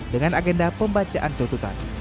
dengan agenda pembacaan tuntutan